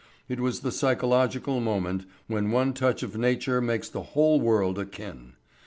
It was the psychological moment when one touch of nature makes the whole world akin.